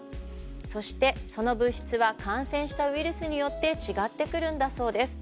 そして、その物質は感染したウイルスによって違ってくるんだそうです。